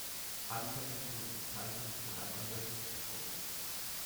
Anfänglich wurde die Zeitung dreimal wöchentlich gedruckt.